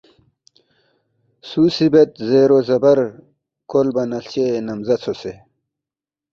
سوسی بید زیرو زبر کولبہ نہ ہلچے نمزہ ژھوسے